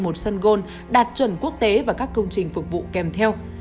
một sân gôn đạt chuẩn quốc tế và các công trình phục vụ kèm theo